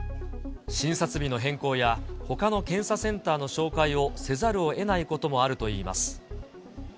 診察日の変更や、ほかの検査センターの紹介をせざるをえないこともあるといいます。